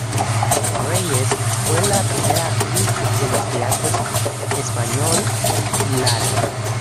Reyes fue la primera actriz de los teatros Español y Lara.